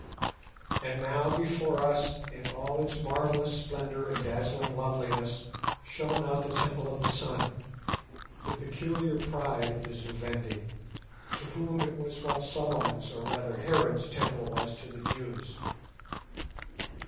And now before us, in all its marvellous splendour and dazzling loveliness, shone out the Temple of the Sun—the peculiar pride of the Zu Vendi, to whom it was what Solomon's, or rather Herod's, Temple was to the Jews.